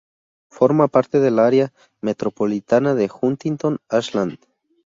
Forma parte del área metropolitana de Huntington–Ashland.